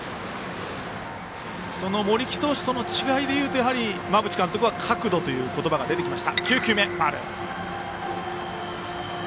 その投手との違いでいうと馬淵監督は角度という言葉が出てきました。